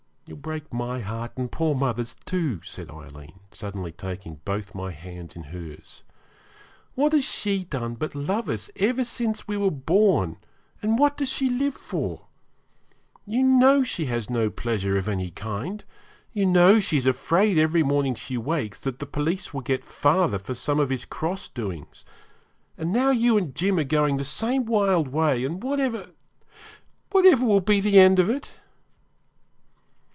'You'll break my heart and poor mother's, too,' said Aileen, suddenly taking both my hands in hers. 'What has she done but love us ever since we were born, and what does she live for? You know she has no pleasure of any kind, you know she's afraid every morning she wakes that the police will get father for some of his cross doings; and now you and Jim are going the same wild way, and what ever what ever will be the end of it?'